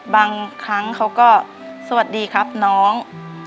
บางครั้งเขาก็สวัสดีครับน้อง